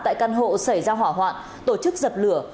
tại căn hộ xảy ra hỏa hoạn tổ chức dập lửa